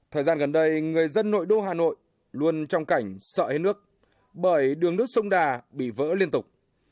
thời gian gần đây người dân nội đô hà nội luôn trong cảnh sợ hê nước bởi đường nước sông đà bị vỡ liên tục